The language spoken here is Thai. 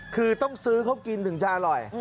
คือต้องซื้อเขากินถึงจะอร่อย